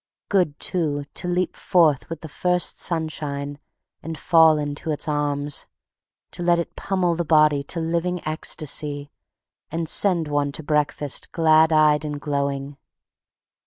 Good, too, to leap forth with the first sunshine and fall into its arms, to let it pummel the body to living ecstasy and send one to breakfast glad eyed and glowing.